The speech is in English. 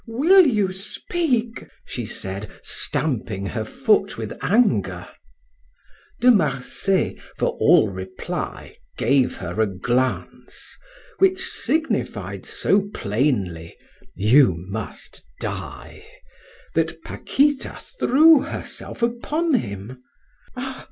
Will you speak?" she said, stamping her foot with anger. De Marsay, for all reply, gave her a glance, which signified so plainly, "You must die!" that Paquita threw herself upon him.